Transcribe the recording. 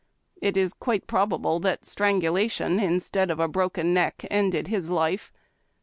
It is quite probable that strangulation instead of a broken neck ended his life.